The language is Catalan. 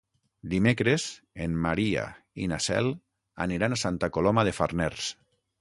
Dimecres en Maria i na Cel aniran a Santa Coloma de Farners.